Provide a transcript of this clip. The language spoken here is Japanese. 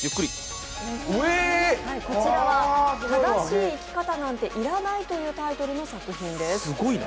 こちら「正しい生き方なんていらない」というタイトルの作品です。